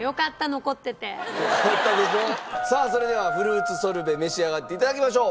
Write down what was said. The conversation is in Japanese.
さあそれではフルーツソルベ召し上がって頂きましょう。